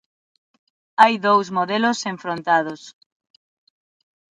Hai dous modelos enfrontados.